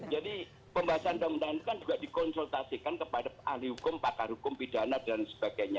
pembahasan undang undang itu kan juga dikonsultasikan kepada ahli hukum pakar hukum pidana dan sebagainya